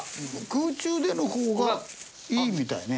空中での方がいいみたいね。